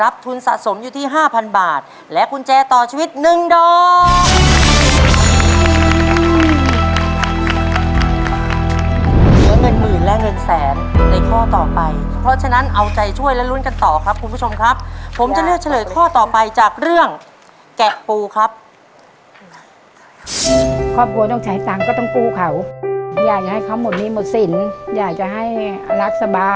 ปลูกข้อนี้เลยต้อง๑๐๐๐๐บาทนะครับ